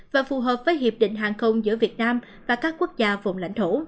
và phù hợp với hiệp định hàng không giữa việt nam và các quốc gia vùng lãnh thổ